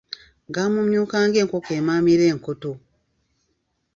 Gaamumyuka ng'enkoko emaamira enkoto.